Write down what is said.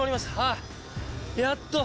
あやっと！